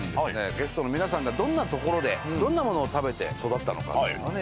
ゲストの皆さんがどんな所でどんなものを食べて育ったのかっていうのをね